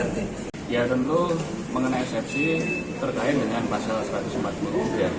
ya tentu mengenai eksepsi terkait dengan pasal empat puluh empat